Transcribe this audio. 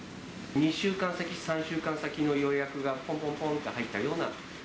２週間先、３週間先の予約がぽんぽんぽんと入ったような。